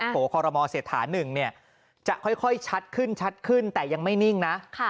โผล่คอลโลมอเศรษฐา๑จะค่อยชัดขึ้นแต่ยังไม่นิ่งนะ